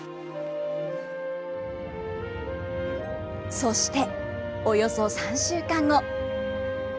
そして、およそ３週間後。